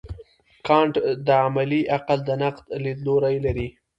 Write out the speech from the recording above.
کانټ د عملي عقل د نقد لیدلوری لري.